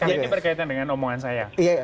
karena ini berkaitan dengan omongan saya